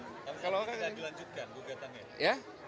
kalau tidak dilanjutkan gugatannya